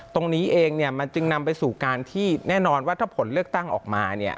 ตรงนี้เองมันจึงนำไปสู่การที่แน่นอนว่าถ้าผลเลือกตั้งออกมา